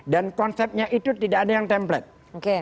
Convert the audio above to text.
dan konsepnya itu tidak ada yang template